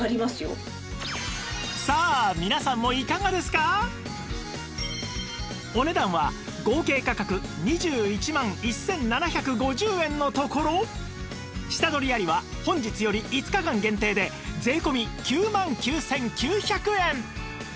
さあお値段は合計価格２１万１７５０円のところ下取りありは本日より５日間限定で税込９万９９００円